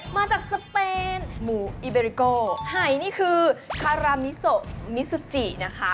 มาจากสเปนหมูอิเบริโกไห่นี่คือคารามิโซมิซูจินะคะ